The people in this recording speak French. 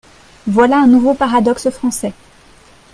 Voilà un nouveau paradoxe français.